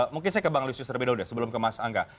mungkin saya ke bang lucio serbeda udah sebelum ke mas angga